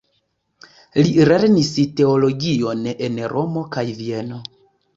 Li lernis teologion en Romo kaj Vieno.